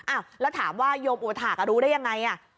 อ้าวแล้วถามว่าโยมอุถาครู้ได้ยังไง